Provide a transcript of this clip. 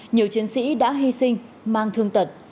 nhiều chiến sĩ đã hy sinh mang thương tật